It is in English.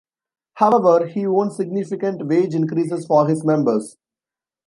However, he won significant wage increases for his members.